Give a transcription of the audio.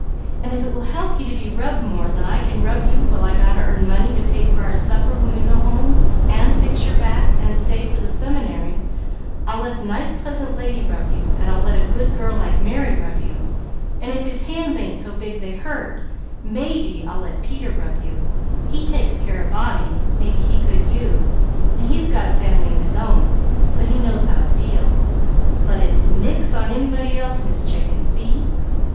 "And if it will help you to be rubbed more than I can rub you while I got to earn money to pay for our supper when we go home, and fix your back, and save for the seminary, I'll let the nice pleasant lady rub you; and I'll let a good girl like Mary rub you, and if his hands ain't so big they hurt, maybe I'll let Peter rub you; he takes care of Bobbie, maybe he could you, and he's got a family of his own, so he knows how it feels; but it's nix on anybody else, Miss Chicken, see?"